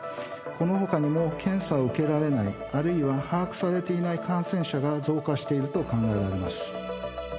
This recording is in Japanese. このほかにも、検査を受けられない、あるいは把握されていない感染者が増加していると考えられます。